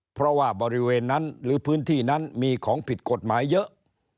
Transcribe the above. เพราะว่าบริเวณนั้นหรือพื้นที่นั้นมีของผิดกฎหมายเยอะ